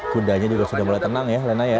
kudanya juga sudah mulai tenang ya lena ya